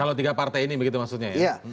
kalau tiga partai ini begitu maksudnya ya